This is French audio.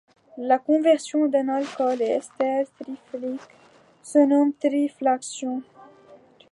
La conversion d'un alcool en ester triflique se nomme triflation.